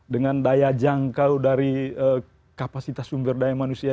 dengan daya jangkau dari kapasitas sumber daya manusia